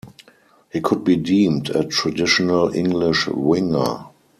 He could be deemed a traditional English winger.